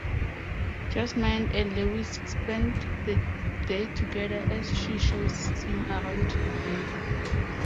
Jasmine and Lewis spend the day together as she shows him around the Bay.